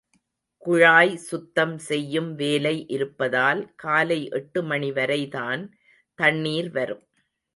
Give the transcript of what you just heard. குழாய் சுத்தம் செய்யும் வேலை இருப்பதால், காலை எட்டு மணி வரைதான் தண்ணீர் வரும்.